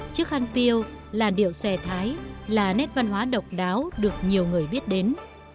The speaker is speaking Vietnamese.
chiếc khăn piêu là điệu xòe thái là nét văn hóa độc đáo được nhiều người biết đến